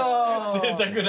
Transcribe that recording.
ぜいたくな。